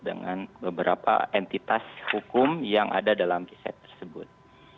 dengan beberapa entitas hukum yang ada dalam riset tersebut